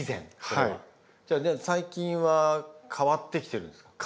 最近は変わってきてるんですか？